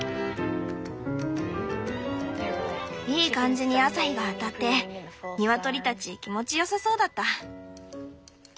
いい感じに朝日が当たってニワトリたち気持ちよさそうだった。